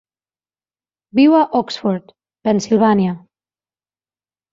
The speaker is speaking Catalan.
Viu a Oxford, Pennsilvània.